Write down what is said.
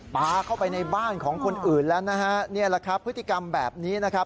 ปลาเข้าไปในบ้านของคนอื่นแล้วนะฮะนี่แหละครับพฤติกรรมแบบนี้นะครับ